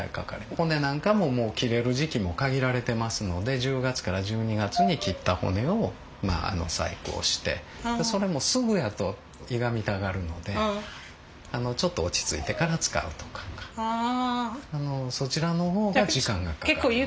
骨なんかも切れる時期も限られてますので１０月から１２月に切った骨を細工をしてそれもすぐやといがみたがるのでちょっと落ち着いてから使うとかそちらの方が時間がかかります。